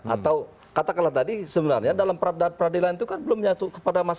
atau katakanlah tadi sebenarnya dalam peradilan itu kan belum nyatu kepada masyarakat